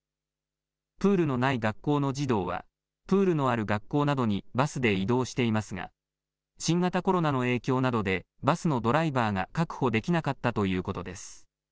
プールのない学校の児童はプールのある学校などにバスで移動していますが新型コロナの影響などでバスのドライバーが確保できなかったということです。